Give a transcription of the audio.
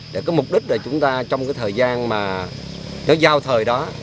để có mục đích là chúng ta trong cái thời gian mà cái giao thời đó